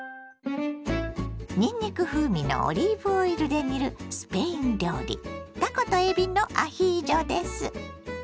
にんにく風味のオリーブオイルで煮るスペイン料理たことえびのアヒージョです。